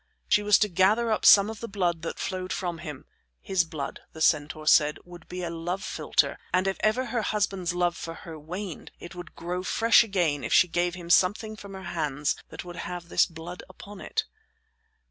She was to gather up some of the blood that flowed from him; his blood, the centaur said, would be a love philter, and if ever her husband's love for her waned it would grow fresh again if she gave to him something from her hands that would have this blood upon it.